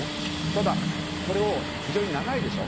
ただ、これ非常に長いでしょ。